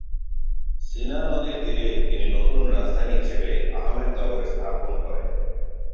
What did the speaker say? সিনা নদীর তীরে তিনি নতুন রাজধানী হিসেবে আহমেদনগর স্থাপন করেন।